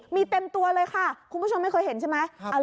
มีเต็มตัวเลยค่ะคุณผู้ชมไม่เคยเห็นใช่ไหม